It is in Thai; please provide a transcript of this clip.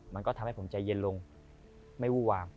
มันก็ทำให้ผมใจเย็นลงไม่วู้วาม